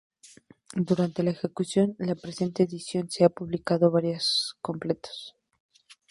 Durante la ejecución de la presente edición se han publicado varios suplementos.